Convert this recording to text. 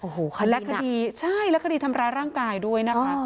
โอ้โหและคดีใช่และคดีทำร้ายร่างกายด้วยนะคะ